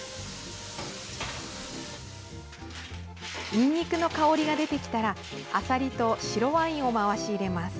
にんにくの香りが出てきたらあさりと白ワインを回し入れます。